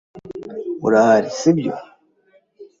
Urahari, si byo?